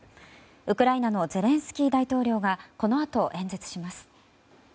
ウクライナのゼレンスキー大統領がこのあと演説します。